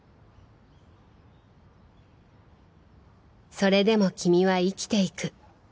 それでも君は生きていく